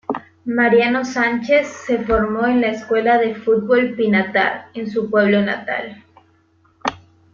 Mariano Sánchez se formó en la Escuela de Fútbol Pinatar, en su pueblo natal.